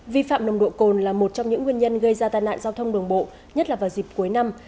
vi phạm nồng độ cồn là một trong những nguyên nhân gây ra tai nạn giao thông đường bộ nhất là vào dịp cuối năm